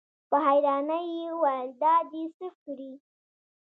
په حيرانۍ يې وويل: دا دې څه کړي؟